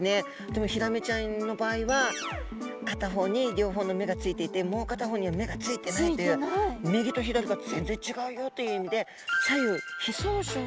でもヒラメちゃんの場合は片方に両方の目がついていてもう片方には目がついてないという右と左が全然ちがうよという意味で左右非相称の動物なんですね。